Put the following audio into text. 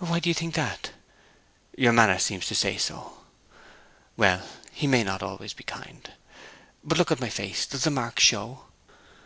'Why do you think that?' 'Your manner seems to say so.' 'Well, he may not always be kind. But look at my face; does the mark show?'